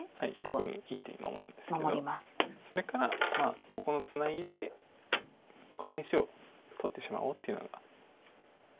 ここに１手守るんですけどそれからここのツナギでこの石を取ってしまおうというような。